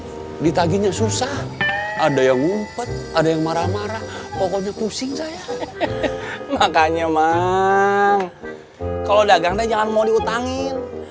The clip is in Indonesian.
dapet kang aceng ditagihnya susah ada yang umpet ada yang marah marah pokoknya pusing saya makanya mang kalau dagangnya jangan mau diutangin